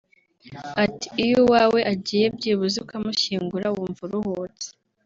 Ati “Iyo uwawe agiye byibuze ukamushyingura wumva uruhutse